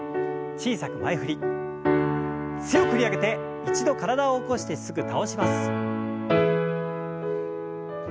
強く振り上げて一度体を起こしてすぐ倒します。